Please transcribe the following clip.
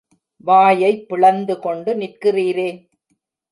வாயைப் பிளந்துகொண்டு நிற்கிறீரே.